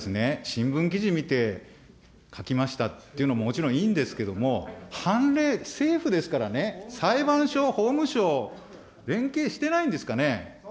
新聞記事見て、書きましたっていうのも、もちろんいいんですけれども、判例、政府ですからね、裁判所、法務省、連携してないんですかね。